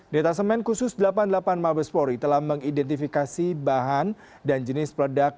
detasemen khusus delapan puluh delapan mabespori telah mengidentifikasi bahan dan jenis peledak